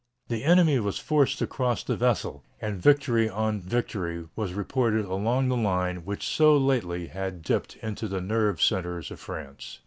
The enemy was forced to cross the Vesle, and victory on victory was reported along the line which so lately had dipped into the nerve centres of France.